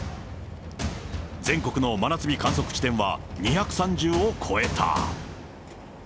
全国の真夏日観測地点は２３０を超えた。